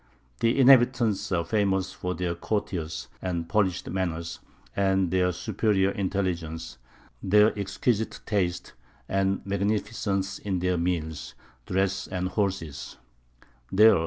The inhabitants are famous for their courteous and polished manners, their superior intelligence, their exquisite taste and magnificence in their meals, dress, and horses.